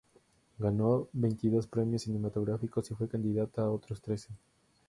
Ganó veintidós premios cinematográficos y fue candidata a otros trece.